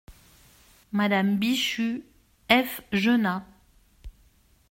Madame Bichu : F. Genat.